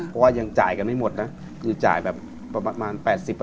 เพราะว่ายังจ่ายกันไม่หมดนะคือจ่ายแบบประมาณ๘๐